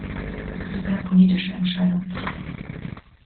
Das ist eine politische Entscheidung.